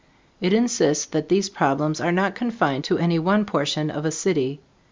It insists that these problems are not confined to any one portion of a city.